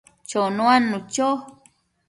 chonuadnu cho